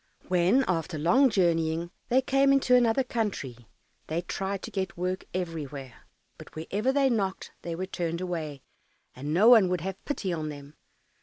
When, after long journeying, they came into another country, they tried to get work everywhere; but wherever they knocked they were turned away, and no one would have pity on them.